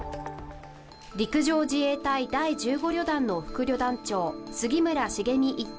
陸上自衛隊第１５旅団の副旅団長、杉村繁実一等